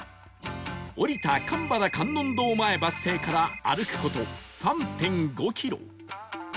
降りた鎌原観音堂前バス停から歩く事 ３．５ キロ